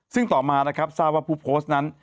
ซึ่งต่อมานะครับทราบว่าผู้โพสต์นั้น